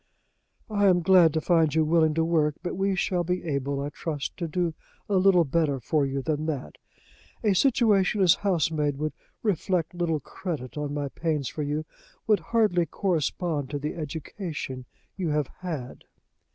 "I am glad to find you willing to work; but we shall be able, I trust, to do a little better for you than that. A situation as housemaid would reflect little credit on my pains for you would hardly correspond to the education you have had."